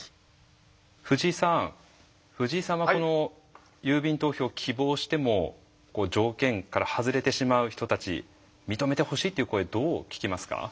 藤井さん藤井さんはこの郵便投票を希望しても条件から外れてしまう人たち認めてほしいという声どう聞きますか？